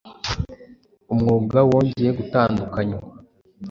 Umwuga wongeye gutandukanywa